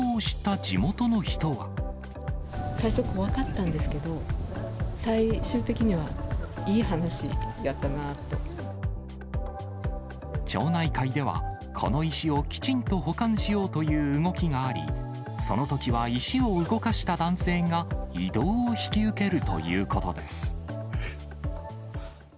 最初、怖かったんですけど、町内会では、この石をきちんと保管しようという動きがあり、そのときは石を動かした男性が移動を引き受けるということです。